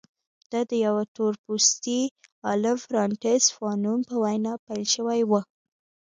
دا د یوه تور پوستي عالم فرانټس فانون په وینا پیل شوې وه.